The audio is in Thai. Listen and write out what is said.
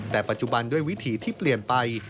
แต่ปัจจุบันด้วยวิถีที่เปลี่ยนไป